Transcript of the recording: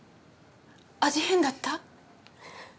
味変だった？